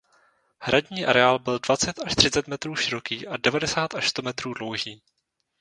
Hradní areál byl dvacet až třicet metrů široký a devadesát až sto metrů dlouhý.